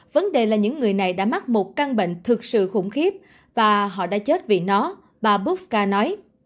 vấn đề là những người này đã mắc một căn bệnh thực sự khủng khiếp và họ đã chết vì nó bà boodca nói